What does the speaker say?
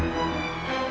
aku mau jalan